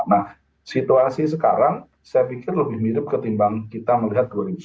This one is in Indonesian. nah situasi sekarang saya pikir lebih mirip ketimbang kita melihat dua ribu sembilan belas